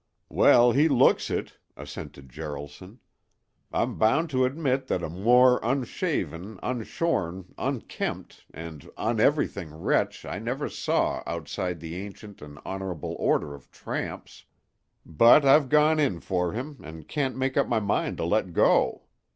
"Well, he looks it," assented Jaralson. "I'm bound to admit that a more unshaven, unshorn, unkempt, and uneverything wretch I never saw outside the ancient and honorable order of tramps. But I've gone in for him, and can't make up my mind to let go.